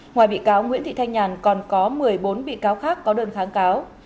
ngoài bị cáo nguyễn thị thanh nhàn còn có một mươi bốn bị cáo khác có đơn kháng cáo